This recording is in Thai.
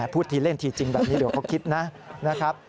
พูดทีเล่นทีจริงแบบนี้เดี๋ยวเขาคิดนะครับ